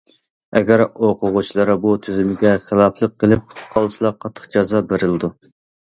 ئەگەر ئوقۇغۇچىلار بۇ تۈزۈمگە خىلاپلىق قىلىپ قالسىلا قاتتىق جازا بېرىلىدۇ.